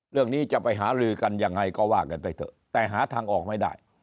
จะไปหาลือกันยังไงก็ว่ากันไปเถอะแต่หาทางออกไม่ได้